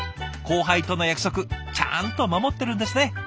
後輩との約束ちゃんと守ってるんですね。